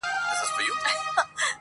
پر تېر سوى دئ ناورين د زورورو-